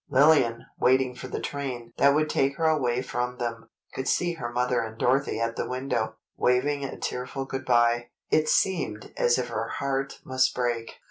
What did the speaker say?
Lillian, waiting for the train that would take her away from them, could see her mother and Dorothy at the window, waving a tearful good bye. It seemed as if her heart must break.